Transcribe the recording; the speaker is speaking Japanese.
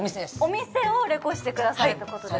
お店をレコしてくださるということですか。